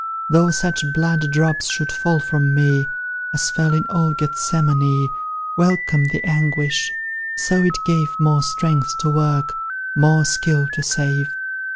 Though such blood drops should fall from me As fell in old Gethsemane, Welcome the anguish, so it gave More strength to work more skill to save.